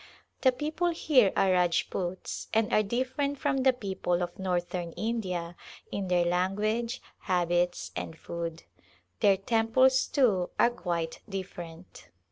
The people here are Rajputs and are different from the people of Northern India in their language, habits, and food. Their temples, too, are quite different.